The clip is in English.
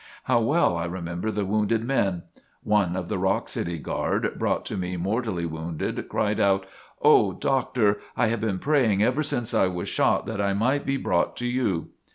How well I remember the wounded men! One of the Rock City Guard, brought to me mortally wounded, cried out: "Oh, Doctor, I have been praying ever since I was shot that I might be brought to you."